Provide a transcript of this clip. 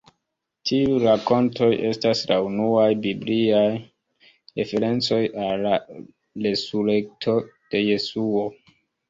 Tiuj rakontoj estas la unuaj bibliaj referencoj al la resurekto de Jesuo.